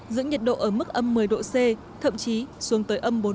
giữ nhiệt độ ở mức ấm một mươi độ c thậm chí xuống tới ấm bốn mươi độ c